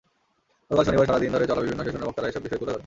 গতকাল শনিবার সারা দিন ধরে চলা বিভিন্ন সেশনে বক্তারা এসব বিষয় তুলে ধরেন।